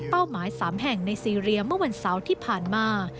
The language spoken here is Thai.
หมาย๓แห่งในซีเรียเมื่อวันเสาร์ที่ผ่านมา